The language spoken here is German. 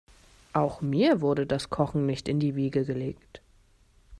Auch mir wurde das Kochen nicht in die Wiege gelegt.